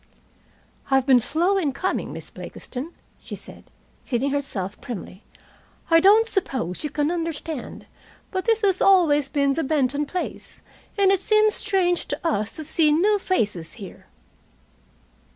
"I've been slow in coming, Miss Blakiston," she said, seating herself primly. "I don't suppose you can understand, but this has always been the Benton place, and it seems strange to us to see new faces here."